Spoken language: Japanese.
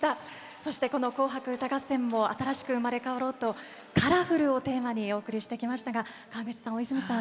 そして、「紅白歌合戦」も新しく生まれ変わろうと「カラフル」をテーマにお送りしてきましたが川口さん、大泉さん